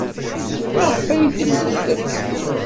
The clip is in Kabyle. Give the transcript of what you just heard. Maɣef ay yemdel tawwurt?